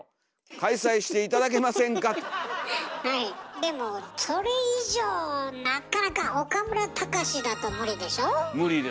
でもそれ以上なかなか「おかむらたかし」だと無理でしょ？